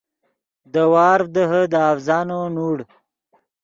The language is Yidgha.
دے وارڤ دیہے دے اڤزانو نوڑ